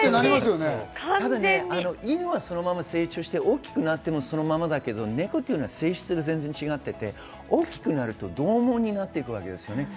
犬はそのまま成長して大きくなってもそのままだけど、猫は性質が全然違っていて、大きくなると獰猛になっていきます。